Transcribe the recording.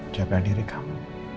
jaga diri kamu